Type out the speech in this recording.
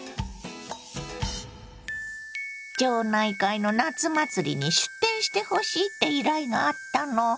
町内会の夏祭りに出店してほしいって依頼があったの。